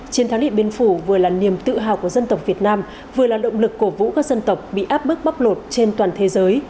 chiến thắng điện biên phủ vừa là niềm tự hào của dân tộc việt nam vừa là động lực cổ vũ các dân tộc bị áp bức bóc lột trên toàn thế giới